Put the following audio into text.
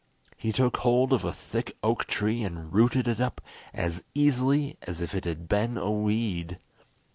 He took hold of a thick oak tree and rooted it up as easily as if it had been a weed.